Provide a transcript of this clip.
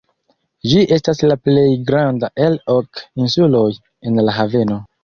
Ĝi estas la plej granda el ok insuloj en la haveno.